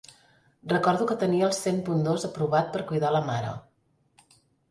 Recordo que tenia el cent punt dos aprovat per cuidar la mare.